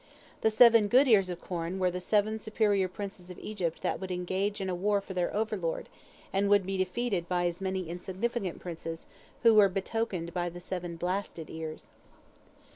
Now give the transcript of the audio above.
The seven good ears of corn were the seven superior princes of Egypt that would engage in a war for their overlord, and would be defeated by as many insignificant princes, who were betokened by the seven blasted ears.